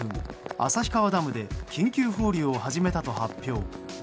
旭川ダムで緊急放流を始めたと発表。